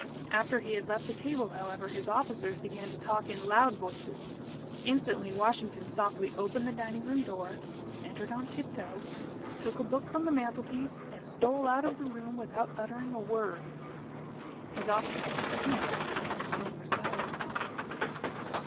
After he had left the table, however, his officers began to talk in loud voices. Instantly, Washington softly opened the dining room door, entered on tip toe, took a book from the mantelpiece, and stole out of the room without uttering a word. His officers took the hint, and were silent.